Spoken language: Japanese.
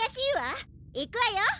いくわよ！